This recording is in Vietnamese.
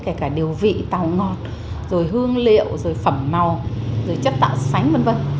kể cả điều vị tàu ngọt rồi hương liệu rồi phẩm màu rồi chất tạo sánh v v